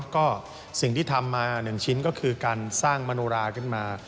ก็สิ่งที่ทำมา๑ชิ้นก็คือการสร้างมโนราขึ้นมา